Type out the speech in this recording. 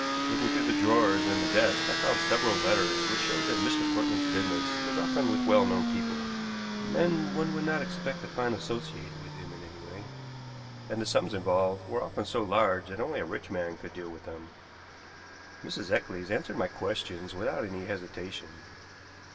Looking through the drawers in the desk, I found several letters which showed that Mr. Portman's business was often with well known people men one would not expect to find associated with him in any way and the sums involved were often so large that only a rich man could deal with them. Mrs. Eccles answered my questions without any hesitation.